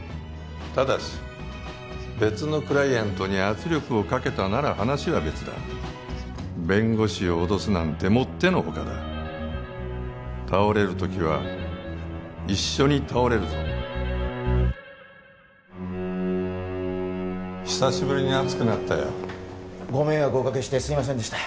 ただし別のクライアントに圧力をかけたなら話は別だ弁護士を脅すなんてもってのほかだ倒れるときは一緒に倒れるぞ久しぶりに熱くなったよご迷惑をおかけしてすいませんでした